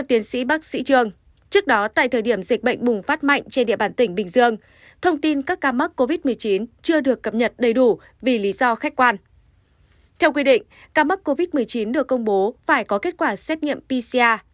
tuy nhiên ca mắc covid một mươi chín được công bố phải có kết quả xét nghiệm pcr